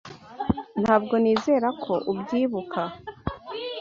Ntabwo nizera ko ubyibuka.